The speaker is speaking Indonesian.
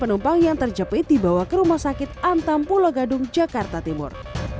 penumpang yang terjepit dibawa ke rumah sakit antam pulau gadung jakarta timur